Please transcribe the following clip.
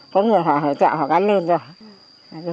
có người họ ở chợ họ gánh lên rồi